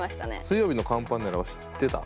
水曜日のカンパネラは知ってた？